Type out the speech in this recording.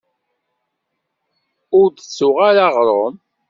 Ur d-tuɣ ara aɣṛum.